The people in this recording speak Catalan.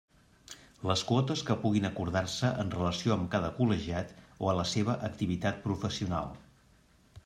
Les quotes que puguin acordar-se en relació amb cada col·legiat o a la seva activitat professional.